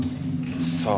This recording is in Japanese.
さあ。